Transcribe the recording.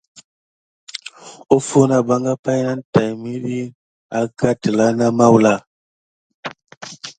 Offo nà ɓanga pay nane tät ɗiti ki àkà telà na mawuala adef.